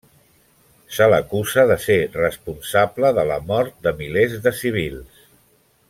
Se l'acusa de ser responsable de la mort de milers de civils.